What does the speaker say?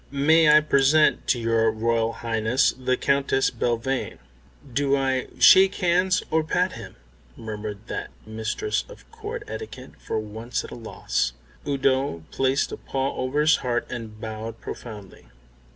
May I present to your Royal Highness the Countess Belvane." "Do I shake hands or pat him?" murmured that mistress of Court etiquette, for once at a loss. Udo placed a paw over his heart and bowed profoundly.